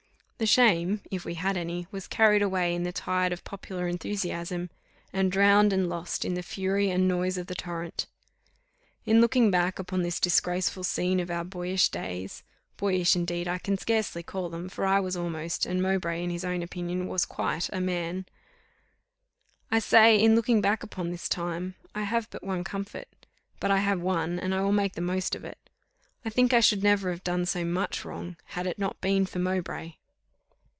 The shame, if we had any, was carried away in the tide of popular enthusiasm, and drowned and lost in the fury and noise of the torrent. In looking back upon this disgraceful scene of our boyish days boyish indeed I can scarcely call them, for I was almost, and Mowbray in his own opinion was quite, a man I say, in looking back upon this time, I have but one comfort. But I have one, and I will make the most of it: I think I should never have done so much wrong, had it not been for Mowbray.